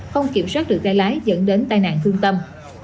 không kiểm soát được gây lái dẫn đến tai nạn thương tâm